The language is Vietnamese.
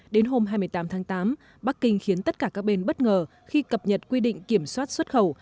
đến hôm hai mươi tám tháng tám bắc kinh khiến tất cả các bên bất ngờ khi cập nhật quy định kiểm soát xuất khẩu